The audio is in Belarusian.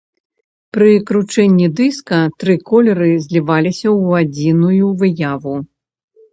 Пры кручэнні дыска тры колеры зліваліся ў адзіную выяву.